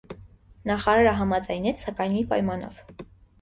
Նախարարը համաձայնեց, սակայն մի պայմանով։